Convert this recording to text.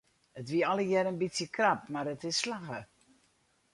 It wie allegear in bytsje krap mar it is slagge.